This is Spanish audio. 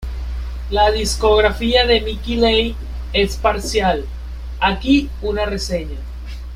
La discografía de Mickey Leigh es parcial, aquí una reseña.